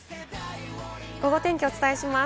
ゴゴ天気をお伝えします。